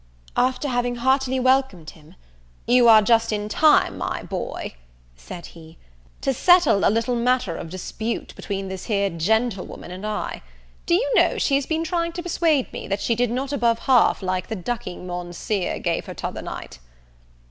After having heartily welcomed him, "You are just come in time, my boy," said he, "to settle a little matter of a dispute between this here gentlewoman and I; do you know she has been trying to persuade me, that she did not above half like the ducking Monseer gave her t'other night."